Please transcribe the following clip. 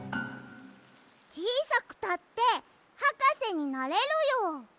ちいさくたってはかせになれるよ。